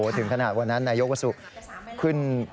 ถึงขนาดวันนั้นนายกวสุขึ้น